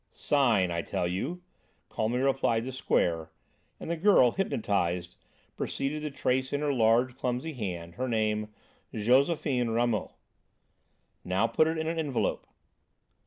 "Sign, I tell you," calmly replied the Square, and the girl, hypnotised, proceeded to trace in her large clumsy hand, her name, "Josephine Ramot." "Now put it in an envelope."